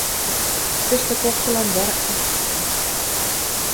Тӹштӹ коктылан вӓр ак ситӹ...